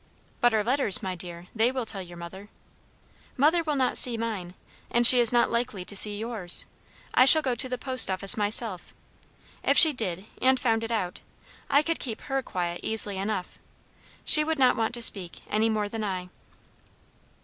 "But our letters, my dear; they will tell your mother." "Mother will not see mine. And she is not likely to see yours; I shall go to the post office myself. If she did, and found it out, I could keep her quiet easily enough. She would not want to speak, any more than I."